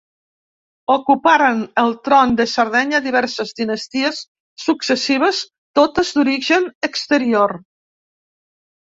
Ocuparen el tron de Sardenya diverses dinasties successives, totes d'origen exterior.